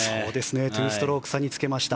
２ストローク差につけました。